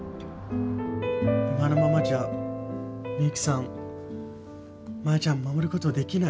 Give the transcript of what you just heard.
今のままじゃミユキさんマヤちゃん守ることできない。